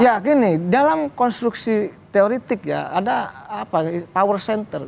ya gini dalam konstruksi teoretik ya ada power center